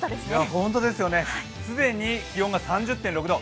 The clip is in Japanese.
ホントですよね、既に気温が３０．６度。